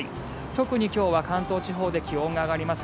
特に今日は関東地方で気温が上がります。